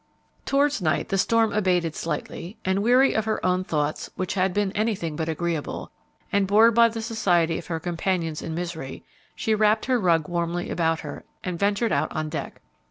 Towards night the storm abated slightly, and, weary of her own thoughts, which bad been anything but agreeable, and bored by the society of her companions in misery, she wrapped her rug warmly about her and ventured out on deck.